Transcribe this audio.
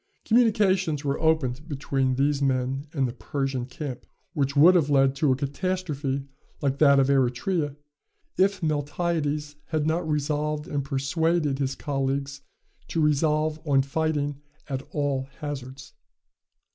Communications were opened between these men and the Persian camp, which would have led to a catastrophe like that of Eretria, if Miltiades had not resolved and persuaded his colleagues to resolve on fighting at all hazards.